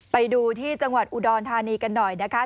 ไปดูที่จังหวัดอุดรธานีกันหน่อยนะคะ